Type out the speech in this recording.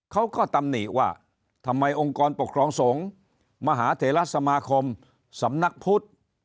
ตำหนิว่าทำไมองค์กรปกครองสงฆ์มหาเถระสมาคมสำนักพุทธ